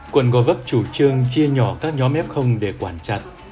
quận gò vấp chủ trương chia nhỏ các nhóm f để quản chặt